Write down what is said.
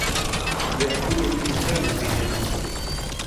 يَأْكُلُ الْإِنْسانُ كَيْ يَنْمُوَ.